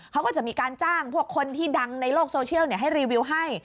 เขาก็จะมีการจ้างพวกคนที่ดังในโลกโซเชียลให้รีวิวให้